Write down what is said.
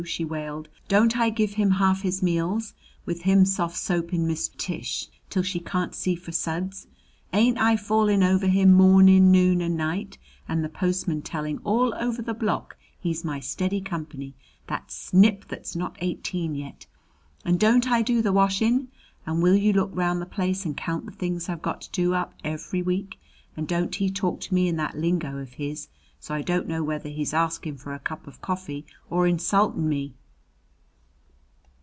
she wailed. "Don't I give him half his meals, with him soft soapin' Miss Tish till she can't see for suds? Ain't I fallin' over him mornin', noon, and night, and the postman telling all over the block he's my steady company that snip that's not eighteen yet? And don't I do the washin'? And will you look round the place and count the things I've got to do up every week? And don't he talk to me in that lingo of his, so I don't know whether he's askin' for a cup of coffee or insultin' me?"